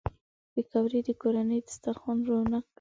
پکورې د کورني دسترخوان رونق دي